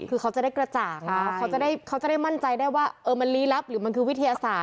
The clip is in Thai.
คือเขาจะได้กระจ่างเขาจะได้มั่นใจได้ว่ามันลี้ลับหรือมันคือวิทยาศาสต